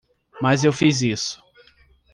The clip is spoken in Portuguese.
Mas eu fiz isso.